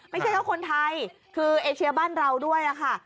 ไม่ใช่แค่คนไทยคือเอเชียบ้านเราด้วยค่ะ